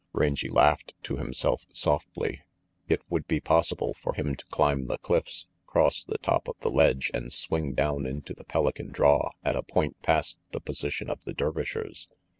Rangy laughed to himself softly. It would be possible for him to climb the cliffs, cross the top of the ledge, and swing down into the Pelican draw at a point past the position of the Dervishers.